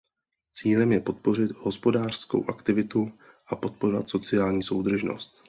Cílem je podpořit hospodářskou aktivitu a podporovat sociální soudržnost.